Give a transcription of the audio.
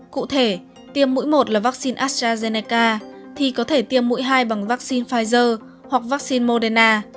cụ thể tiêm mũi một là vaccine astrazeneca thì có thể tiêm mũi hai bằng vaccine pfizer hoặc vaccine moderna